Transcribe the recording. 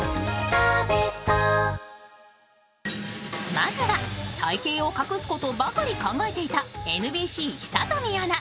まずは体型を隠すことばかり考えていたＮＢＣ・久富アナ。